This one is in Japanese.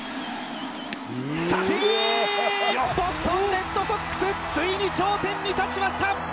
ボストン・レッドソックスついに頂点に立ちました